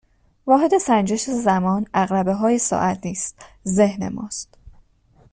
واحد سنجش زمان عقربههای ساعت نیست ذهن ماست